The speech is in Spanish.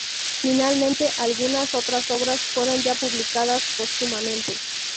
Finalmente, algunas otras obras fueron ya publicadas póstumamente.